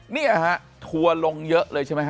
เนี่ยถัวลงเยอะเลยใช่ไหมค่ะ